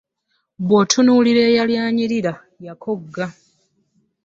Bwotunulira eyali anyirira yakogga ,